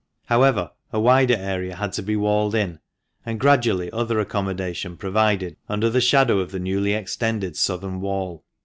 However, a wider area had to be walled in, and gradually other accommodation provided under the shadow of the newly extended southern wall.